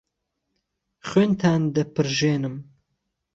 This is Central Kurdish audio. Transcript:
خوێنتان دهپڕژێنم